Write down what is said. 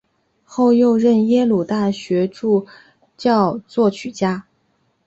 后又任耶鲁大学驻校作曲家。